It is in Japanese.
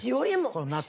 この夏。